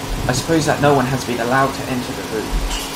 I suppose that no one has been allowed to enter the room?